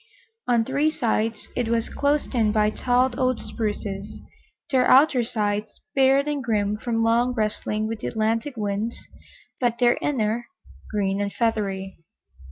On three sides it was closed in by tall old spruces, their outer sides bared and grim from long wrestling with the Atlantic winds, but their inner green and feathery.